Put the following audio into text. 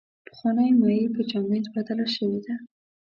پخوانۍ مایع په جامد بدله شوې ده.